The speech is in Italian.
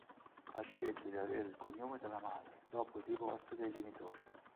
Ha scelto di avere il cognome della madre, dopo il divorzio dei genitori.